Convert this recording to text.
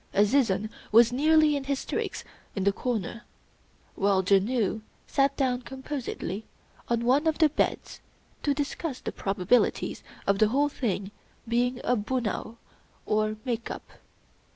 Azizun was nearly in hysterics in the corner; while Janoo sat down composedly on one of the beds to discuss the probabilities of the whole thing being a bunao, or " make up."